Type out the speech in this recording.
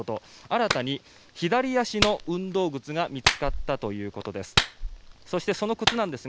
新たに左足の運動靴が見つかったということです。